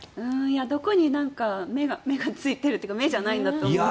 どこに目がついてるというか目じゃないと思うんですが。